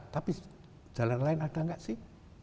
tapi jalan lain ada nggak sih